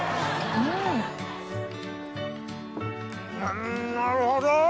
んなるほど！